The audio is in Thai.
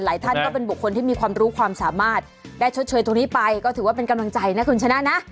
ท่านก็เป็นบุคคลที่มีความรู้ความสามารถได้ชดเชยตรงนี้ไปก็ถือว่าเป็นกำลังใจนะคุณชนะนะ